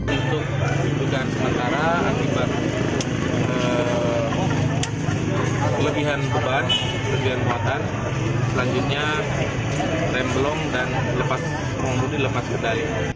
untuk kelebihan sementara kelebihan beban kelebihan kekuatan selanjutnya rembelong dan lepas kurang lebih lepas pedali